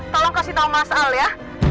tolong kasih tahu mas al ya